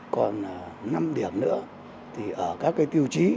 còn năm điểm nữa thì ở các tiêu chí